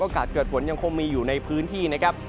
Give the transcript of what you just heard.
เกิดฝนยังคงมีอยู่ในพื้นที่นะครับ